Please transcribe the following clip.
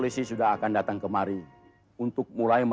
sim aku memang belum punya sim